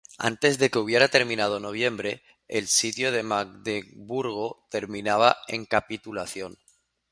Antes de que hubiera terminado noviembre, el sitio de Magdeburgo terminaba en capitulación.